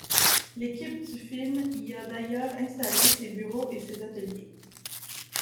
L'équipe du film y a d'ailleurs installé ses bureaux et ses ateliers.